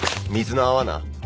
「水の泡」な。